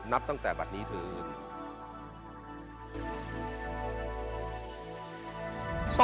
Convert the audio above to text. นับตั้งแต่บัตรนี้ถึง